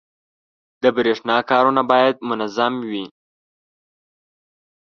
• د برېښنا کارونه باید منظم وي.